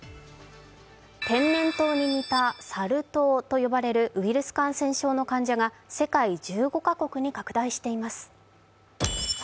天然痘に似たサル痘といわれるウイルス感染症の患者が世界１５カ国に拡大しています。